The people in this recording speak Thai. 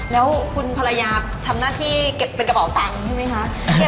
แล้วคุณภรรยาทำหน้าที่เก็บเป็นกระเป๋าตังค์ใช่ไหมคะ